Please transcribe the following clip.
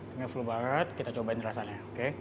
ini full banget kita cobain rasanya